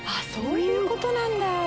そういうことなんだ！